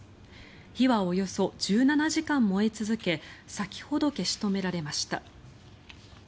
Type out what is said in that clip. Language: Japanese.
火はおよそ１７時間燃え続け先ほど消し止められました。